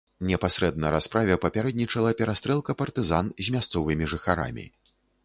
Непасрэдна расправе папярэднічала перастрэлка партызан з мясцовымі жыхарамі.